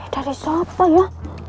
dari siapa ya